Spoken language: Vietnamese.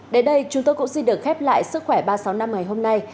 đến đây chúng tôi cũng xin được khép lại sức khỏe ba trăm sáu mươi năm ngày hôm nay